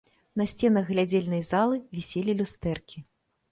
На сценах глядзельнай залы віселі люстэркі.